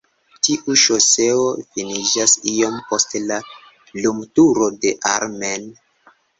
Tiu ŝoseo finiĝas iom post la lumturo de Ar-Men.